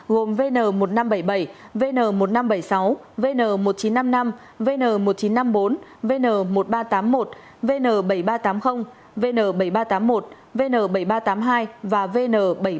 gồm vn một nghìn năm trăm bảy mươi bảy vn một nghìn năm trăm bảy mươi sáu vn một nghìn chín trăm năm mươi năm vn một nghìn chín trăm năm mươi bốn vn một nghìn ba trăm tám mươi một vn bảy nghìn ba trăm tám mươi vn bảy nghìn ba trăm tám mươi một vn bảy nghìn ba trăm tám mươi hai và vn bảy trăm bốn mươi